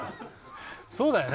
そうだよね。